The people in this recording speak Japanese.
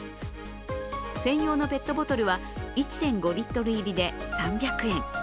専用のペットボトルは１．５リットル入りで３００円。